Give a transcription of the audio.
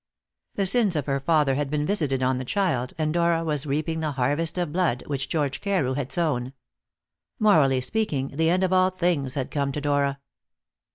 The sins of the father had been visited on the child, and Dora was reaping the harvest of blood which George Carew had sown. Morally speaking, the end of all things had come to Dora.